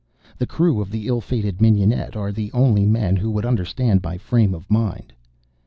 The crew of the ill fated Mignonette are the only men who would understand my frame of mind.